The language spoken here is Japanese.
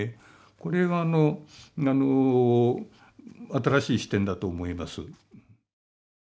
これは新しい視点だと思います。